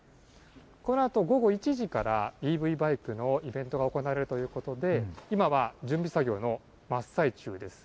このあと午後１時から、ＥＶバイクのイベントが行われるということで、今は準備作業の真っ最中です。